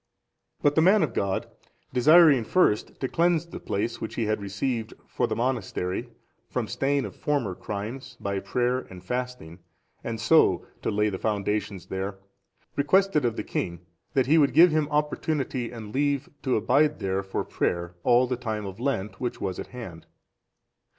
But the man of God, desiring first to cleanse the place which he had received for the monastery from stain of former crimes, by prayer and fasting, and so to lay the foundations there, requested of the king that he would give him opportunity and leave to abide there for prayer all the time of Lent, which was at hand.